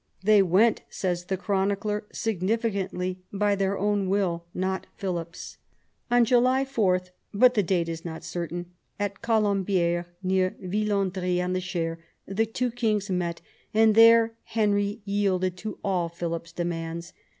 They went, says the chronicler significantly, by their own will, not Philip's. On July 4 (but the date is not certain), at Colombieres near Villandri on the Cher, the two kings met, and there Henry yielded to all Philip's demands.